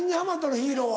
ヒーローは。